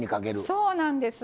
そうなんです。